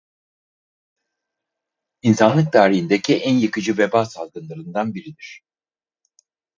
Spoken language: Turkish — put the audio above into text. İnsanlık tarihindeki en yıkıcı veba salgınlarından biridir.